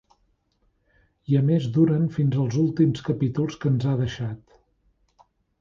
I a més duren fins als últims capítols que ens ha deixat.